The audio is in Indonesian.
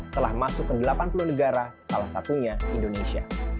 telah masuk ke delapan puluh negara salah satunya indonesia